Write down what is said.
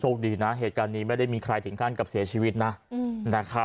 คดีนะเหตุการณ์นี้ไม่ได้มีใครถึงขั้นกับเสียชีวิตนะนะครับ